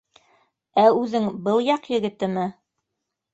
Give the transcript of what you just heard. Ә үҙең был яҡ егетеме?